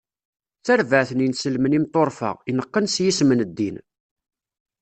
D tarbaɛt n yinselmen imeṭṭurfa, ineqqen s yisem n ddin.